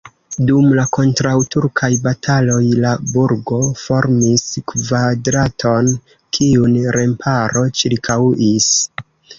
Dum la kontraŭturkaj bataloj la burgo formis kvadraton, kiun remparo ĉirkaŭis.